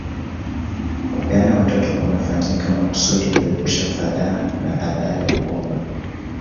Kupeana watoto kunafanyika makusudi kuepusha fadhaa na adha ya ugumba